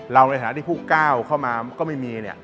ในฐานะที่ผู้ก้าวเข้ามาก็ไม่มี